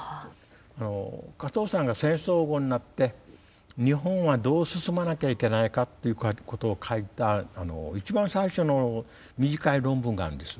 加藤さんが戦争後になって日本はどう進まなきゃいけないかということを書いた一番最初の短い論文があるんです。